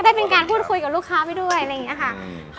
ได้เป็นการพูดคุยกับลูกค้าไปด้วยอะไรอย่างนี้ค่ะ